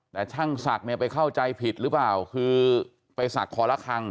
แต่ช่างสัดเนี่ยไปเข้าใจผิดหรือเปล่าคือไปสัดขอละครัง